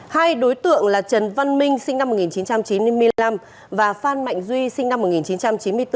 hai đối tượng là trần văn minh sinh năm một nghìn chín trăm chín mươi năm và phan mạnh duy sinh năm một nghìn chín trăm chín mươi bốn